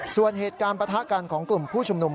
ส่วนเหตุการณ์ประทะกันของกลุ่มผู้ชุมนุม